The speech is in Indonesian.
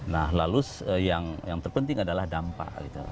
nah lalu yang terpenting adalah dampak